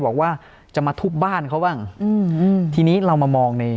บอกว่าจะมาทุบบ้านเขาบ้างอืมทีนี้เรามามองใน